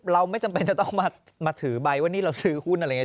เราไม่จำเป็นจะต้องมาถือใบว่านี่เราซื้อหุ้นอะไรอย่างนี้